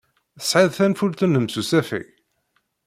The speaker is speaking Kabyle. Tesɛid tanfult-nnem n usafag?